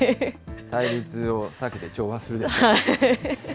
対立を避けて調和する。